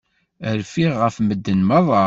Rfiɣ ɣef medden merra.